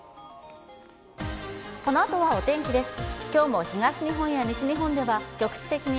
このあとはお天気です。